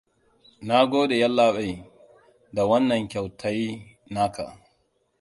Na gode yallaɓai, da wannan kyautayi na ka.